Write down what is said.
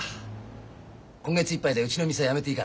今月いっぱいでうちの店辞めていいから。